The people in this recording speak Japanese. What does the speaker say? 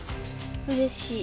うれしい。